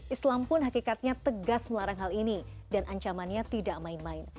islam pun hakikatnya tegas melarang hal ini dan ancamannya tidak main main